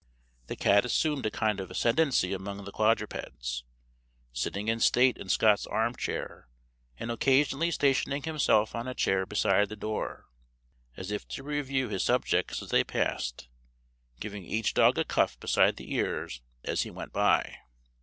The cat assumed a kind of ascendancy among the quadrupeds sitting in state in Scott's arm chair, and occasionally stationing himself on a chair beside the door, as if to review his subjects as they passed, giving each dog a cuff beside the ears as he went by.